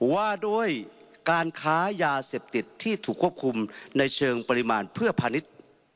ว่าด้วยการค้ายาเสพติดที่ถูกควบคุมในเชิงปริมาณเพื่อพาณิชย์